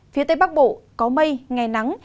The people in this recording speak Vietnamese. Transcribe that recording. phía tây bắc bộ có mây ngày nắng